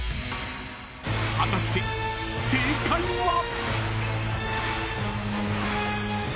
［果たして正解は？］